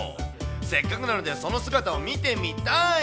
せっかくなので、その姿を見てみたい。